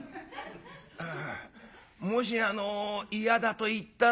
「ああもしあの嫌だと言ったら」。